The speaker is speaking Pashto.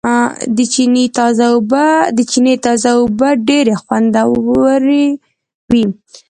د چينې تازه اوبه ډېرې خوندورېوي